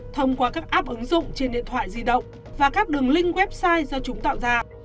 thông qua các app ứng dụng trên điện thoại di động và các đường link website do chúng tạo ra